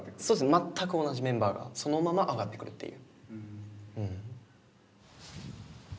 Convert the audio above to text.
全く同じメンバーがそのまま上がってくるっていう。